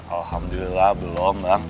alhamdulillah belum bang